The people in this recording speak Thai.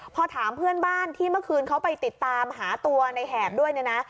พอถามเพื่อนบ้านที่เมื่อคืนเขาไปติดตามหาตัวในแหบด้วยเนี่ยนะ